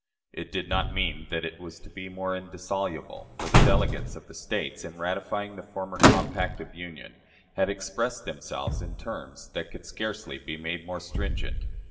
It did not mean that it was to be more indissoluble; for the delegates of the States, in ratifying the former compact of union, had expressed themselves in terms that could scarcely be made more stringent.